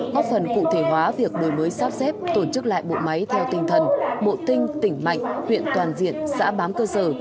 góp phần cụ thể hóa việc đổi mới sắp xếp tổ chức lại bộ máy theo tinh thần bộ tinh tỉnh mạnh huyện toàn diện xã bám cơ sở